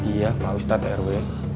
iya pak ustadz rw